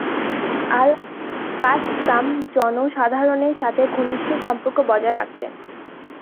Al-Qassam জনসাধারণের সাথে ঘনিষ্ঠ সম্পর্ক বজায় রাখতেন।